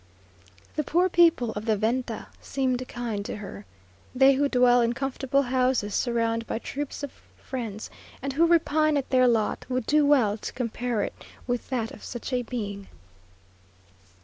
The poor people of the venta seemed kind to her. They who dwell in comfortable houses, surrounded by troops of friends, and who repine at their lot, would do well to compare it with that of such a being.